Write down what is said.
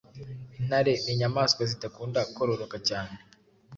Intare ni inyamanswa zidakunda kororoka cyane